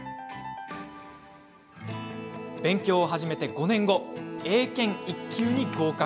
勉強を始めて５年後英検１級に合格。